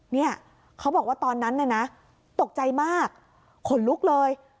เนี่ยเขาบอกว่าตอนนั้นน่ะนะตกใจมากขนลุกเลย